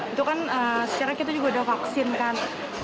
itu kan secara kita juga udah vaksin kan